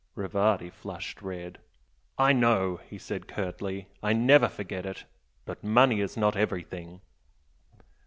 Rivardi flushed red. "I know!" he said, curtly "I never forget it. But money is not everything."